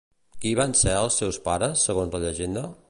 Qui van ser els seus pares, segons la llegenda?